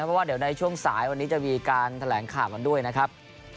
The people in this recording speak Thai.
เพราะว่าเดี๋ยวในช่วงสายวันนี้จะมีการแถลงข่าวกันด้วยนะครับ